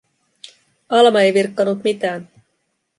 Alma ei virkkanut mitään.